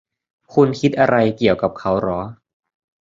คุณคิดอะไรเกี่ยวกับเขาหรอ